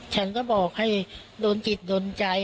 ฉันก็บอกให้โดนจิตโดนใจ